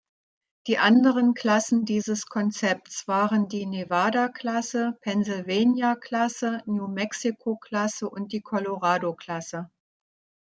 Die anderen Klassen dieses Konzepts waren die "Nevada-Klasse", "Pennsylvania-Klasse", "New-Mexico-Klasse" und die "Colorado-Klasse".